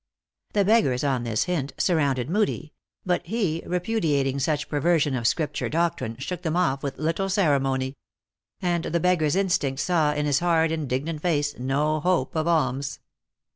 The beggars, on this hint, surrounded Moodie ; but he, repudiating such perversion of Scripture doctrine, shook them off with little ceremony. And the beg gars instinct saw, in his hard, indignant face, no hope of alms.